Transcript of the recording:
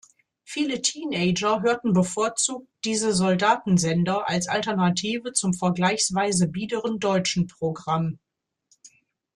Viele Teenager hörten bevorzugt diese Soldatensender als Alternative zum vergleichsweise biederen deutschen Programm.